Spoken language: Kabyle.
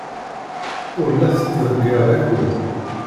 Ur la tettḍeyyiɛ akud.